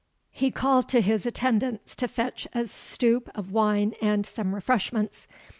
He called to his attendants to fetch a stoup of wine and some refreshments.